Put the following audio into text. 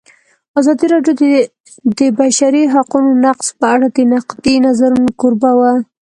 ازادي راډیو د د بشري حقونو نقض په اړه د نقدي نظرونو کوربه وه.